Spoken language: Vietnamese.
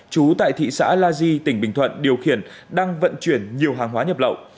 chú tại thị xã la di tỉnh bình thuận điều khiển đang vận chuyển nhiều hàng hóa nhập lậu